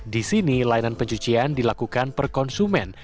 di sini layanan pencucian dilakukan per konsumen